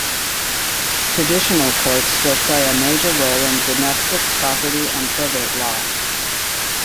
Traditional courts still play a major role in domestic, property, and probate law.